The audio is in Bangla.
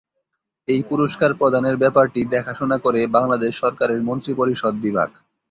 এই পুরস্কার প্রদানের ব্যাপারটি দেখাশোনা করে বাংলাদেশ সরকারের মন্ত্রিপরিষদ বিভাগ।